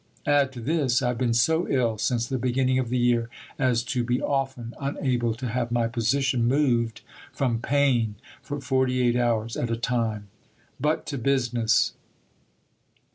Add to this, I have been so ill since the beginning of the year as to be often unable to have my position moved from pain for 48 hours at a time. But to business...."